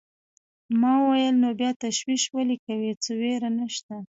ما وویل: نو بیا تشویش ولې کوې، څه وېره نشته.